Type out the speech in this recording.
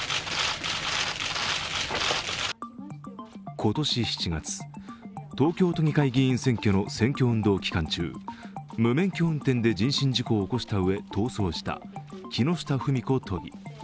今年７月、東京都議会議員選挙の選挙運動期間中、無免許運転で人身事故を起こしたうえ、逃走した木下富美子都議。